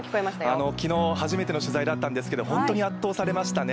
昨日、初めての取材だったんですけれども本当に圧倒されましたね。